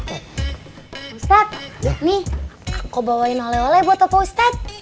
ustadz nih aku bawain oleh oleh buat pak ustadz